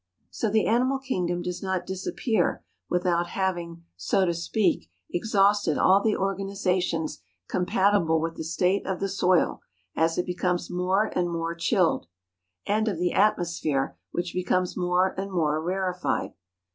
So the animal kingdom does not disappear with¬ out having, so to speak, exhausted all the organisations compatible with the state of the soil as it becomes more and more chilled, and of the atmosphere which becomes more and more rarefied.